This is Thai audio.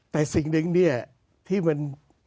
แต่สิ่งกันที่มัน